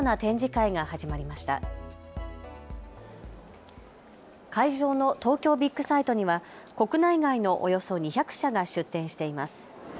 会場の東京ビッグサイトには国内外のおよそ２００社が出展しています。